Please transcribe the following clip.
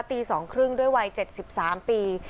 ตีสองครึ่งด้วยวัยเจ็ดสิบสามปี